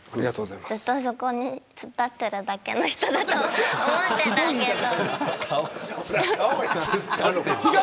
ずっとそこに突っ立ってるだけの人だと思ってたけど。